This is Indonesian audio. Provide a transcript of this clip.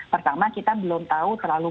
pertama kita belum tahu ya apa itu